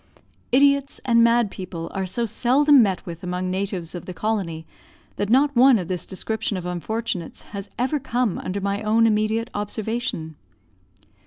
Idiots and mad people are so seldom met with among natives of the colony, that not one of this description of unfortunates has ever come under my own immediate observation.